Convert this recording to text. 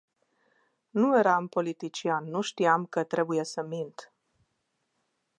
Nu eram politician, nu știam că trebuie să mint.